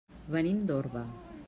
Venim d'Orba.